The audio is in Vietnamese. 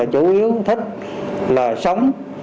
chủ yếu thích là sống